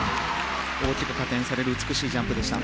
大きく加点される美しいジャンプでした。